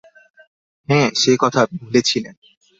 হাঁ, সে কথা ভুলেছিলেম।